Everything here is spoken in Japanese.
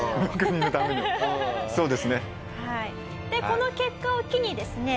この結果を機にですね